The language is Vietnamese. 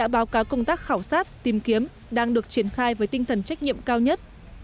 báo cáo công tác khảo sát tìm kiếm đang được triển khai với tinh thần trách nhiệm cao nhất